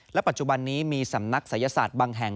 ปัจจุบันนี้มีสำนักศัยศาสตร์บางแห่ง